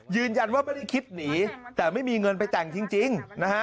ยืนยันว่าไม่ได้คิดหนีแต่ไม่มีเงินไปแต่งจริงนะฮะ